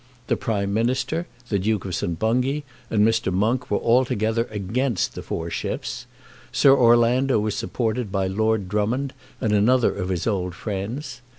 The Prime Minister, the Duke of St. Bungay, and Mr. Monk were altogether against the four ships. Sir Orlando was supported by Lord Drummond and another of his old friends.